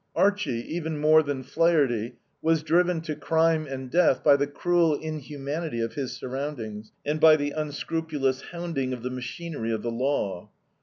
Archie, even more than Flaherty, was driven to crime and death by the cruel inhumanity of his surroundings, and by the unscrupulous hounding of the machinery of the law.